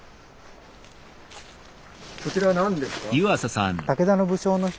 そちらは何ですか？